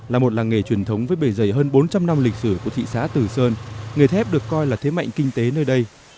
là một làng nghề truyền thống với bề dày hơn bốn trăm linh năm lịch sử của thị xã tử sơn nghề thép được coi là thế mạnh kinh tế nơi đây